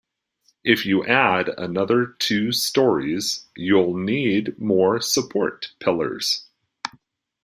If you add another two storeys, you'll need more support pillars.